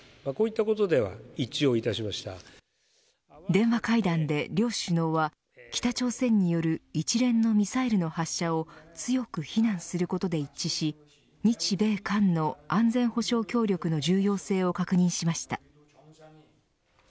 電話会談で両首脳は北朝鮮による一連のミサイルの発射を強く非難することで一致し日米韓の安全保障協力の重要性を確認しました。